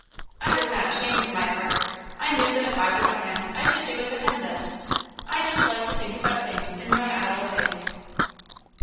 I was not ashamed of my part; I knew that if I were a hen I should do as a hen does. I just liked to think about things in my idle way.